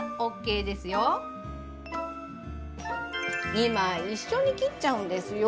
２枚一緒に切っちゃうんですよ。